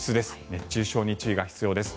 熱中症に注意が必要です。